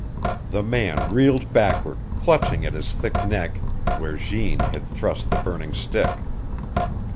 The man reeled backward, clutching at his thick neck, where Jeanne had thrust the burning stick.